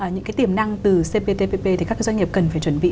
những cái tiềm năng từ cptpp thì các doanh nghiệp cần phải chuẩn bị